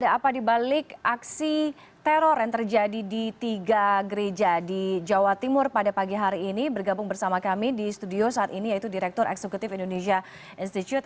apa dibalik aksi teror yang terjadi di tiga gereja di jawa timur pada pagi hari ini bergabung bersama kami di studio saat ini yaitu direktur eksekutif indonesia institute